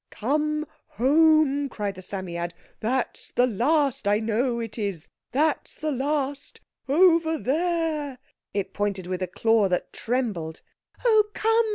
"Come home," cried the Psammead; "that's the last, I know it is! That's the last—over there." It pointed with a claw that trembled. "Oh, come!"